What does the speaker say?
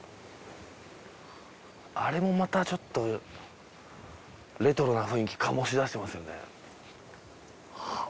あれもまたちょっとレトロな雰囲気醸し出してますよね。